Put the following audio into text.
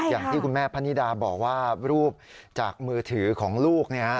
อย่างที่คุณแม่พนิดาบอกว่ารูปจากมือถือของลูกเนี่ย